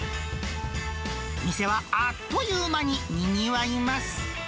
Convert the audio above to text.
店はあっという間ににぎわいます。